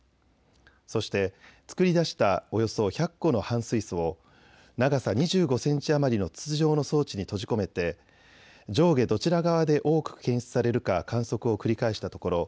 そして作り出したおよそ１００個の反水素を長さ２５センチ余りの筒状の装置に閉じ込めて上下どちら側で多く検出されるか観測を繰り返したところ